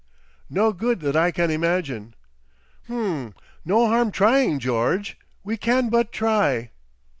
"No good that I can imagine." "Oom! No harm trying, George. We can but try."